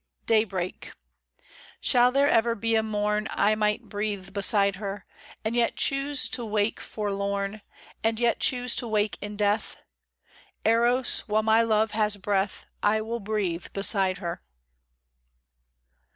DAYBREAK. SHALL there ever be a morn I might breathe beside her, And yet choose to wake forlorn, And yet choose to wake in death ? Eros, while my Love has breath I will breathe beside her.